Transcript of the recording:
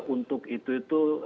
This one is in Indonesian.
untuk itu itu